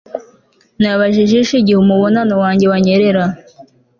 Nababaje ijisho igihe umubonano wanjye wanyerera